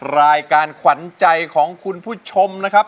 รายการขวัญใจของคุณผู้ชมนะครับ